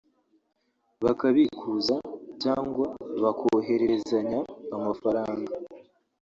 bakabikuza cyangwa bakohererezanya amafaranga